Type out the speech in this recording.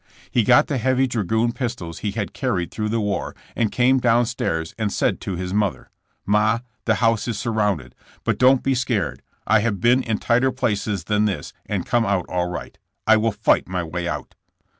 He got the heavy dragoon pistols he had carried through the war and came down stairs and said to his mother: ^'Ma, the house is surrounded, but don't be scared, I have been in tighter places than this and come out all right. I will fight my way out."